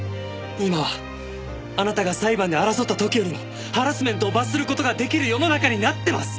今はあなたが裁判で争った時よりもハラスメントを罰する事ができる世の中になってます！